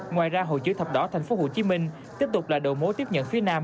ngoài ra hội chữ thạp đỏ thành phố hồ chí minh tiếp tục là đội mối tiếp nhận phía nam